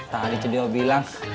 tak ada yang cedewa bilang